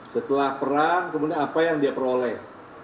setelah perang kemudian apa yang dia peroleh